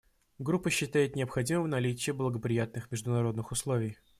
Группа считает необходимым наличие благоприятных международных условий.